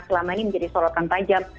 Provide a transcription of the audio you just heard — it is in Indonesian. selama ini menjadi sorotan tajam